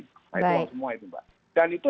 nah itu semua itu mbak dan itu